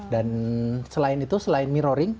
dan selain itu selain mirroring